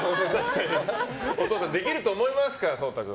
お父さん、できると思いますか蒼太君。